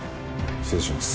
失礼します。